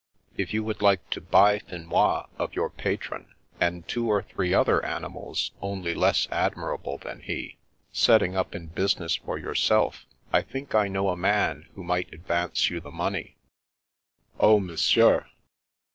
If you would like 320 The Princess Passes to buy Finois of your patron, and two or three other animals only less admirable than he, setting up in business for yourself, I think I know a man who might advance you the money." "Oh, Monsieur!''